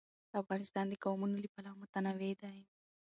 افغانستان د قومونه له پلوه متنوع دی.